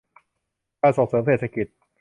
การส่งเสริมเศรษฐกิจ